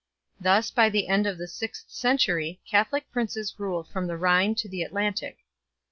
Thus by the end of the sixth century Catholic princes ruled from the Rhine to the Atlantic.